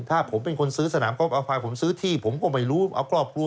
ถ้าผมเป็นคนซื้อสนามกอล์อภัยผมซื้อที่ผมก็ไม่รู้เอาครอบครัว